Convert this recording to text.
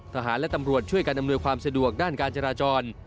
ทหารและตำรวจช่วยกันอำนวยความสะดวกด้านการจราจร